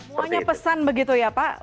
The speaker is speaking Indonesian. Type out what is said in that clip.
semuanya pesan begitu ya pak